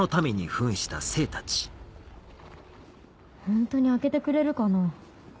ホントに開けてくれるかな？